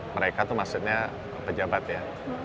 mereka tuh maksudnya pejabat ya